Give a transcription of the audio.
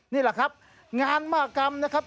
นี่แหละครับงานมหากรรมนะครับ